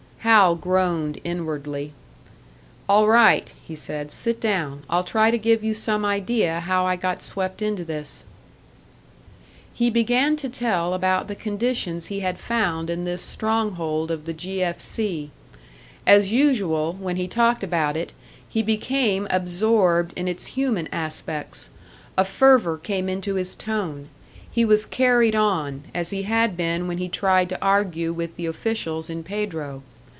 Hal groaned inwardly. "All right," he said, "sit down. I'll try to give you some idea how I got swept into this." He began to tell about the conditions he had found in this stronghold of the "G. F. C." As usual, when he talked about it, he became absorbed in its human aspects; a fervour came into his tone, he was carried on, as he had been when he tried to argue with the officials in Pedro.